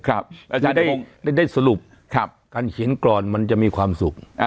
อาจารย์ได้สรุปการเขียนกรอนมันจะมีความสุข